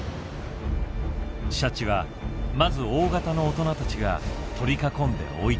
シャチはまず大型の大人たちが取り囲んで追い立てる。